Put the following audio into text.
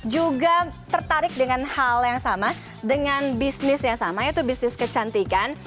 juga tertarik dengan hal yang sama dengan bisnis yang sama yaitu bisnis kecantikan